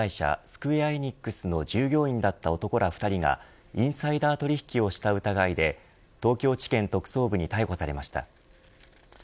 スクウェア・エニックスの従業員だった男ら２人がインサイダー取引をした疑いで東京地検特捜部に逮捕されました。